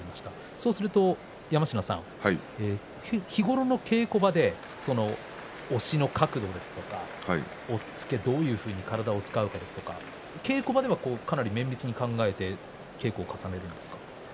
そうすると日頃の稽古場で押しの角度ですとか押っつけどのように体を使うか稽古場では綿密に考えて稽古を重ねているんですか。